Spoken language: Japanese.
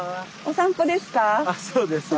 散歩です。